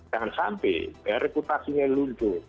jangan sampai reputasinya luncur